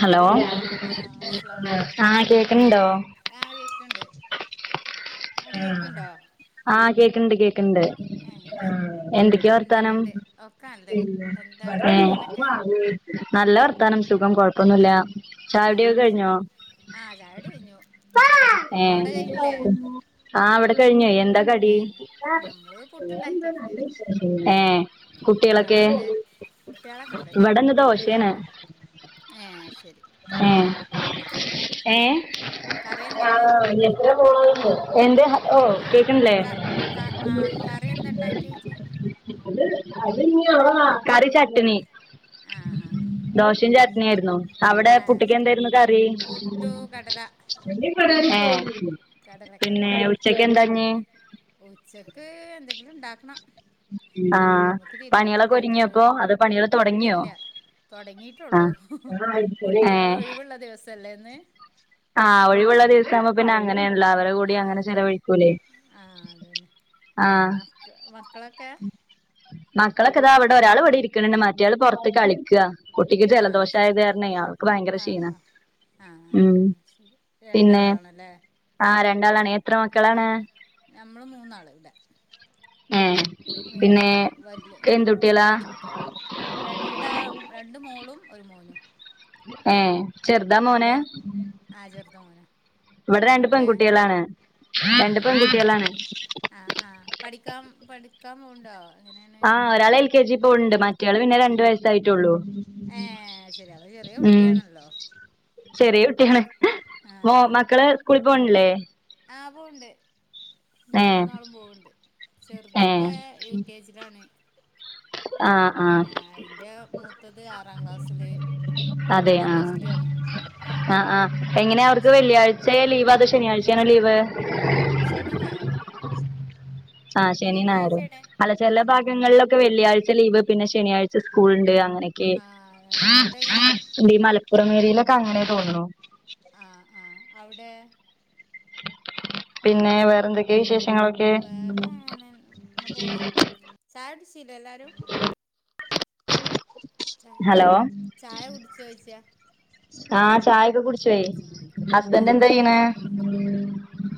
Hello ആഹ് കേക്കണണ്ടോ? ആഹ് കേക്ക്ണ്ട് അങ്ങട്ട് കേക്കണ്ടോ? ആഹ് കേക്കണ്ട് കേക്കണ്ട്. ശരി എന്തൊക്കെയ വർത്താനം? എന്തൊക്കെണ്ട് ഒക്കെ നല്ലത് എന്താ അവിടുത്തെ ഏഹ്. വർത്താനൊക്കെ നല്ല വർത്താനം സുഖം കൊഴപ്പൊന്നുല്ല. ആ ചായടിയൊക്കെ കഴിഞ്ഞോ ശരി ആ ചായുടി കഴിഞ്ഞു ഏഹ് അവിടെ കഴിഞ്ഞില്ലേ ആഹ് ഇവിടെ കഴിഞ്ഞേ എന്താ കടി ഏ ഞമ്മള് പുട്ടുണ്ടാക്കിയേക്കായിരുന്നു ഏഹ് പുട്ട് ആഹ് കുട്ടികളൊക്കെ അവടെ കുട്ടികളൊക്കെണ്ട് ഇവിടെന്ന് ദോശയാണ് മൂന്നാള്ണ്ട് ഏഹ് ശെരി കറിയോ ഏ കറി എന്താ ആഹ് ഉണ്ടാക്കിയേക്ക് എത്ര പോണോല്ണ്ട് എന്തേ ഹലോ കേക്ക്ണില്ലേ ക ക ആ കറി എന്താ ഉണ്ടാക്കിയേച്ചേ [unintelligible] കറി ചട്ടണി ആഹ് ആഹ് ദോശേ ചട്നിയായിരുന്നു അവിടെ പുട്ടിക്ക് ശരി എന്തായിരുന്നു കറി പുട്ടു കടല ഏഹ് കടലക്കറിയായിരുന്നു ഉച്ചക്ക് എന്തെങ്കിലും ണ്ടാക്കണം ആ അയ്മക്ക് പണികളൊക്കെ തിരിഞ്ഞിട്ടില്ല എന്നോവ് ഒരുങ്ങിയപ്പോ അത് പണികൾ തുടങ്ങിയോ ഇല്ലല്ല ആ തൊടങ്ങിട്ടുള്ളൂ ഏ കുട്ട്യാള് ഒഴിവുള്ള ദിവസല്ലേന്ന് ആ ഒഴിവുള്ള ദിവസാകുമ്പോ ആഹ് പിന്നെ ആഹ് അങ്ങനെയാണല്ലോ അവരെ കൂടി അങ്ങനെ ആഹ്തന്നെ ചെലവഴിക്കൂലേ ആഹ് അതന്നെ ആ മക് മക്കളൊക്കെ മക്കളൊക്കെതാ വിടെ ഒരാള് വടെ ഇരിക്ണ് ണ്ട് മറ്റേള് പുറത്ത് കളിക്ക കുട്ടിക്ക് ആഹ് ജലദോഷായത് കാരണേ ക്ക്ഭയങ്കര ക്ഷീണാ ആ ആഹ്ശരി രണ്ടാളാണല്ലേ ആഹ് രണ്ടാളാണ് എത്ര മക്കളാണ് ആഹ് ഞമ്മള് മൂന്നാള് ഇവിടെ ഏ മൂന്ന് പിന്നെ ആഹ വല്ല്യ എന്തുട്ടികളാ പഠിക്ക രണ്ടാ രണ്ട് മോളും ഒരു മോനും ആഹ് അവിടെ ആ ചർത് മോന ഇവിടെ രണ്ട് അവിടെ പെൺകുട്ടികളാണ് രണ്ട് ഏഹ് ശരി പെൺകുട്ടികളാണ് ആഹ് ആഹ് പഠിക്കാം പഠിക്കാം പോവ്ണ്ടോ എങ്ങനെ ആഹ് ഒരാൾ എൽ കെ ജി പോവ്ണ്ട് മറ്റയാൾ പിന്നെ രണ്ട് വയസ്സായിട്ടുള്ളൂ ഏ അഹ്ശരി അപ്പചെറീ കുട്ടിയാണല്ലോ ചെറി കുട്ടിയാണ് ആ മോ മക്കള് സ്കൂളിൽ പോണില്ലേ ആ പോവ്ണ്ട് മേ ഏ മൂന്നാളും പോവ്ണ്ട് ഏ ചെറുത്പ്പോ യു കെ ജിലാണ് ആ ആ പിന്നെ അയിന്റെ മൂത്തത് ആറാം ക്ലാസ്സില് വല്ത് പ്ലസ് ടു ആണ് ഉ ആഹ് ആഹ് എങ്ങനെ അവർക്ക് വെള്ളിയാഴ്ച ലീവ് അതോ ശനിയാഴ്ചയണോ ലീവ് ശനിം ഞായറും ആഹ് ശനിം ശനിയാഴ്ചേടെ ഞായറുംഅല്ല ഉം ചെല ഉം ഭാഗങ്ങളിലൊക്കെ വെള്ളിയാഴ് ത്തെലീവ് പിന്നെ ശനിയാഴ്ച സ്കൂൾ ഉണ്ട് അങ്ങനെയൊക്കെ ആഹ് അതന്നെ അവിടെ എങ്ങനെ ഇതീ മലപ്പുറംഏരിയയിലൊക്കെ അങ്ങനെ തോന്നുണു ആഹ് ആഹ് അവിടെ പിന്നെ വേറെ എന്തൊക്കെ വിശേഷങ്ങളൊ വേറെ എങ്ങനെ അങ്ങനെ പോണ് ചായ കുട് ച്ചീലെഎല്ലാരും ച ഹലോ ചായ കുടിച്ചോയ്ച്ച ആഹ് ചായൊക്കെ കുടി ആഹ് ആഹ്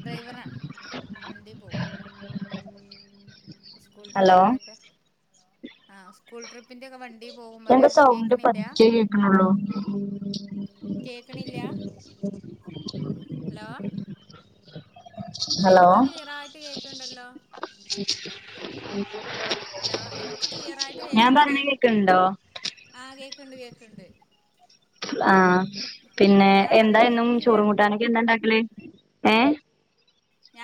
ഡ്രൈവറാണ് വണ്ടി പോവും സ്കൂൾ ഹലോ ട്രിപ്പിന്റെ ഒക്കെ ആ സ്കൂൾ ട്രിപ്പിന്റെക്കെ വണ്ടീ എന്താ സൗണ്ട് പതിക്കേ കേക്കോ ണള്ളു കേക്കണില്ല ഹലോ ഷേ ഹലോ ഇൻക്ക് ക്ലിയറായിട്ട് കേൾക്ക്ണ്ടല്ലോ ഹലോ ഇനിക്ക് ക്ലിയർ ആയിട്ട് ഞാൻ കേക്ക്ണ്ട് പറയണേ കേക്ക്ണ്ടോ ആഹ് കേക്ക്ണ്ട് കേക്ക്ണ്ട് ആ പിന്നെ ഞാൻ എന്താ പറയണ എന്നും കേക്കണില്ല ചോറും കൂട്ടാനൊക്കെ എന്താ ഇണ്ടാക്കല് ഏ? ഞാ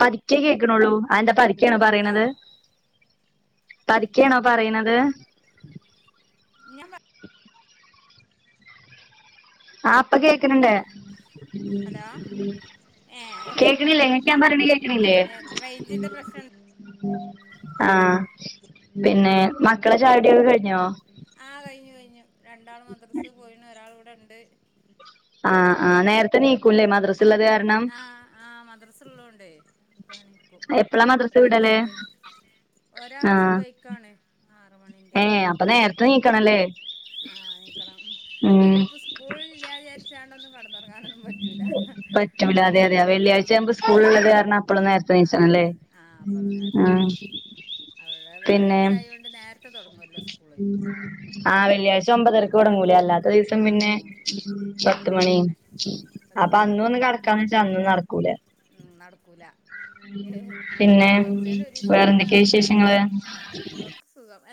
പതുക്കേ കേക്കണള്ളൂ അയെന്താ പതുക്കേണോ ഹലോ പറയണത്? പതുക്കയാണോ പറയണത് ഞാൻ ആഹ് പ്പ കേക്ക്ണ് ണ്ട് ഹലോ ഏഹ് അത് ശരി കേക്കണില്ലേ ആഹ് ങ്ങക്ക് ആഹ് ഞാൻ പറേണ കേക്കണില്ലേ ഞാന് റേഞ്ചിന്റെ പ്രശ്നം ആഹ് പിന്നെ മക്കളെ ചായുടിയൊക്കെ കഴിഞ്ഞോ? ആ കഴിഞ്ഞു കഴിഞ്ഞു രണ്ടാൾ മദ്രസ് പോയിണ് ഒരാൾ ഇവിടെണ്ട് ആഹ് ആഹ് നേരത്തെ ണീക്കൂല്ലേ മദ്രസള്ളത് കാരണം ആഹ് ആഹ് മദ്രസുള്ളോണ്ട് എണിക്കും എപ്പളാ മദ്രസ ഒരാക്ക് വിടല് സുഭ ഒരാക്ക് ആഹ് സുബൈ ക്കാണ് ആറ് മണിന്റെ ഒക്കെ ഏഹ് അപ്പൊ നേരത്തെ നീക്കണല്ലേ ആഹ് ണീക്കണം ഉം അതിനിപ്പ സ്കൂളില്ലാചരിച്ചാണ്ടൊന്നും കടന്നൊറങ്ങ പറ്റൂല്ല അതെ അതെ എണീക്കണം വെള്ളിയാഴ്ച ആവുമ്പോ ആഹ് സ്കൂളുള്ളത് കാരണം എ പ്പോഴും നേര ആഹ് ണീചണം ല്ലേ അതാണ് ആഹ് അപ്പള് നേരത്തെ ആഹ് എണീക്കണം അവിടെ പിന്നെ വെള്ളിയാഴ്ച ആയോണ്ട് നേരത്തെ തുടങ്ങുവല്ലോ സ്കൂള് ആ വെള്ളിയാഴ് ചഒമ്പതെരക്ക് ആഹ് തൊടങ്ങൂലെ അല്ലാത്ത ദിവസം ആഹ് പിന്നെ തുടങ്ങും ഉം പത്ത് ആഹ് മണി അതന്നെ പത്ത് അപ്പൊ അന്ന് മണിയൊക്കെ ഒന്ന് ആവും കടക്കാന്ന് വെച്ചാ അന്നും നടക്കൂല ഉം നടക്കൂല ഏ പിന്നെ ആഴചേൽ ഒരു ദിവസം അങ്ങനെ വേറെന്തൊക്കെയാ നടക്കാ വിശേഷങ്ങള് [unintelligible] ഓക്ക് സുഖം